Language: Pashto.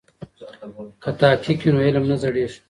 که تحقیق وي نو علم نه زړیږي.